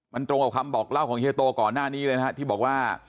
มันตรงกับคำบอกเล่าของเฮียโตก่อนหน้านี้เลยนะฮะที่บอกว่า